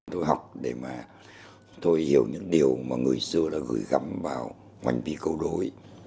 tôi học để mà tôi hiểu những điều mà người xưa đã gửi gắm vào hoành đi câu đối